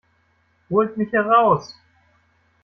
Holt mich hier raus!